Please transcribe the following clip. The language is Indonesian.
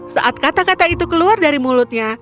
saat kata kata itu keluar dari mulutnya